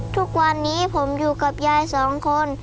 ทุกวันนี้ผมอยู่กับยายสองคน